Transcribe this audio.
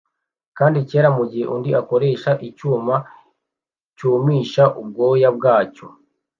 kandi cyera mugihe undi akoresha icyuma cyumisha ubwoya bwacyo